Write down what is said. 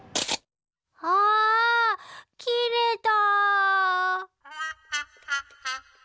あきれた。